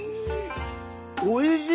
おいしい！